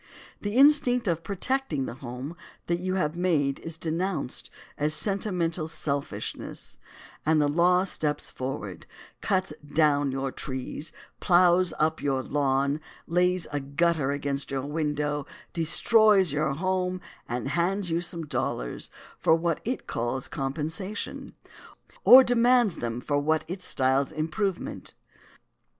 The instinct of protecting the home that you have made is denounced as sentimental selfishness, and the law steps forward, cuts down your trees, plows up your lawn, lays a gutter under your window, destroys your home, and hands you some dollars for what it calls compensation, or demands them for what it styles improvement.